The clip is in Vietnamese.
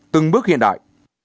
từng bước hiện đại